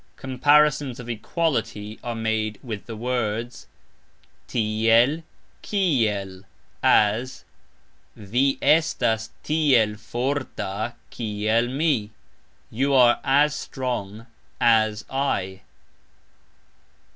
Comparisons of equality are made with the words "tiel ... kiel", as Vi estas "tiel" forta, "kiel" mi, You are "as" strong "as" I.